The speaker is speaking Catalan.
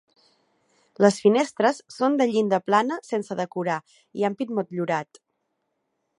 Les finestres són de llinda plana sense decorar i ampit motllurat.